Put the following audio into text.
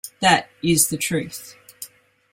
That is the truth.